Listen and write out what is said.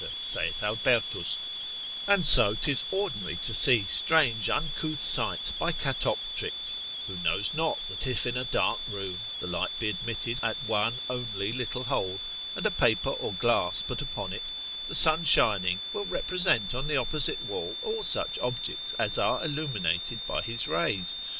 saith Albertus; and so 'tis ordinary to see strange uncouth sights by catoptrics: who knows not that if in a dark room, the light be admitted at one only little hole, and a paper or glass put upon it, the sun shining, will represent on the opposite wall all such objects as are illuminated by his rays?